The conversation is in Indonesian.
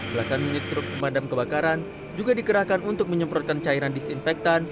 belasan unit truk pemadam kebakaran juga dikerahkan untuk menyemprotkan cairan disinfektan